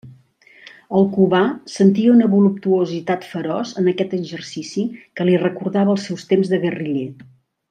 El Cubà sentia una voluptuositat feroç en aquest exercici, que li recordava els seus temps de guerriller.